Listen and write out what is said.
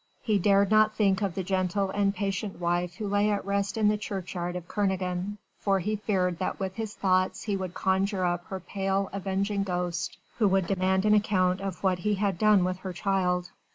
He dared not think of the gentle and patient wife who lay at rest in the churchyard of Kernogan, for he feared that with his thoughts he would conjure up her pale, avenging ghost who would demand an account of what he had done with her child.